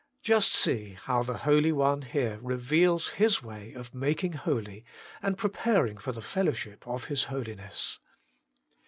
Just see how the Holy One here reveals His way of making holy, and preparing for the fellowship of His Holiness.